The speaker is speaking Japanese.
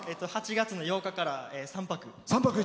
８月の８日から３泊。